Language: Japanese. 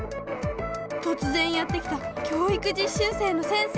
とつ然やって来た教育実習生の先生。